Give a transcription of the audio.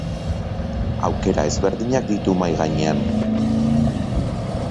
Aukera ezberdinak ditu mahai gainean.